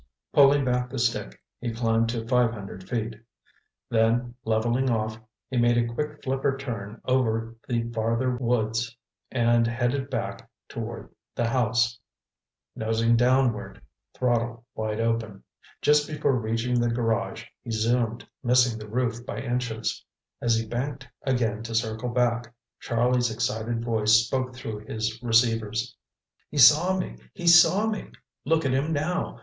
Pulling back the stick, he climbed to five hundred feet. Then, leveling off, he made a quick flipper turn over the farther woods and headed back toward the house, nosing downward, throttle wide open. Just before reaching the garage, he zoomed, missing the roof by inches. As he banked again to circle back, Charlie's excited voice spoke through his receivers. "He saw me—he saw me! Look at him now!